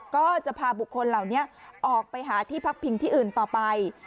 ก็จะพาบุคคลเหล่านี้ออกไปหาที่พักพิงที่อื่นต่อไป